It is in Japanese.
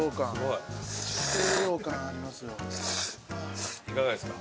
いかがですか？